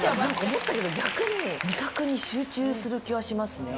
思ったけど逆に、味覚に集中する気がしますね。